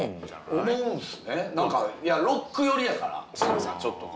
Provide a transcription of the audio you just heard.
何かいやロック寄りやから。